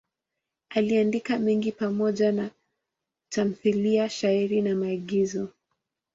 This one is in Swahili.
Aliandika mengi pamoja na tamthiliya, shairi na maigizo.